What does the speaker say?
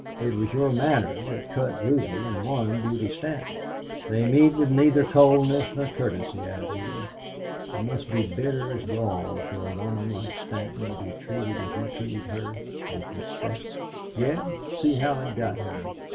It was your manner that cut Ruby and won Beauty Stanton. They meet with neither coldness nor courtesy out here. It must be bitter as gall for a woman like Stanton to be treated as you treated her with respect. Yet see how it got her."